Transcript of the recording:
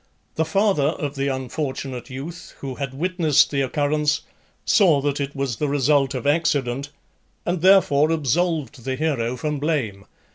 The father of the unfortunate youth, who had witnessed the occurrence, saw that it was the result of accident, and therefore absolved the hero from blame.